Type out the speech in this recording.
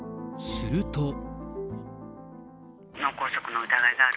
すると。